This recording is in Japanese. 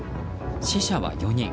死者は４人。